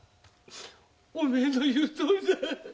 おめえの言うとおりだ！